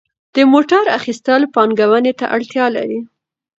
د موټر اخیستل پانګونې ته اړتیا لري.